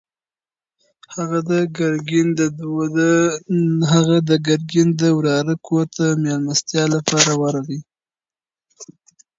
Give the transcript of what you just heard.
هغه د ګرګین د وراره کور ته د مېلمستیا لپاره ورغی.